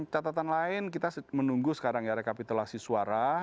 catatan lain kita menunggu sekarang ya rekapitulasi suara